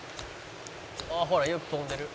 「ほらよく飛んでる」